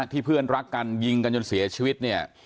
เพื่อนรักกันยิงกันจนเสียชีวิตเนี่ย